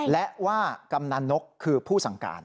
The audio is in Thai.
และว่ากำนันนกคือผู้สั่งการ